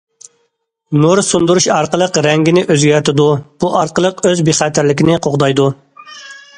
نۇر سۇندۇرۇش ئارقىلىق رەڭگىنى ئۆزگەرتىدۇ، بۇ ئارقىلىق ئۆز بىخەتەرلىكىنى قوغدايدۇ.